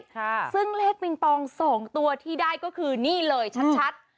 ค่ะซึ่งเลขปิงปองสองตัวที่ได้ก็คือนี่เลยชัดชัด